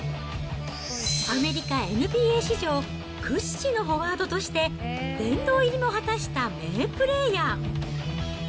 アメリカＮＢＡ史上、屈指のフォワードとして殿堂入りも果たした名プレーヤー。